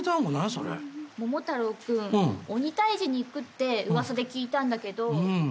桃太郎君鬼退治に行くって噂で聞いたんだけど。